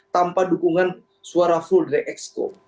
tanpa dukungan suara full drag ex co